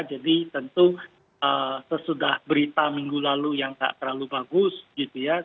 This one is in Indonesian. jadi tentu sesudah berita minggu lalu yang tak terlalu bagus gitu ya